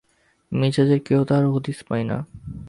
মেজাজের কেহ তার হদিস পায় না।